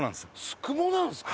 宿毛なんですか。